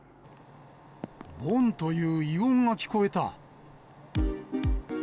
ぼんという異音が聞こえた。